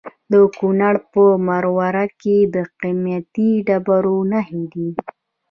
د کونړ په مروره کې د قیمتي ډبرو نښې دي.